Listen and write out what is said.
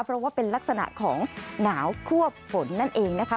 เพราะว่าเป็นลักษณะของหนาวควบฝนนั่นเองนะคะ